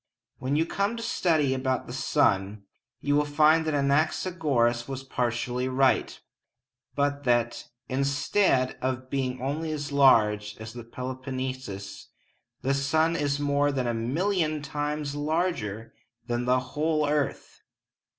When you come to study about the sun, you will find that Anaxagoras was partly right, but that, instead of being only as large as the Peloponnesus, the sun is more than a million times larger than the whole earth!